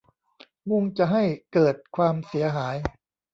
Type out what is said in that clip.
มุ่งจะให้เกิดความเสียหาย